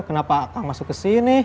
kenapa kang masuk kesini